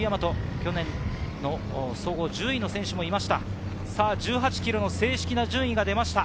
去年総合１０位の選手もいました。